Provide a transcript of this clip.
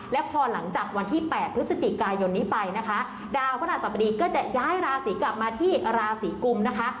และพอหลังจากวันที่๘พฤศจิกายนนี้ไปนะคะดาวพระหัสบดีก็จะย้ายราศีกลับมาที่ราศีกุมนะคะ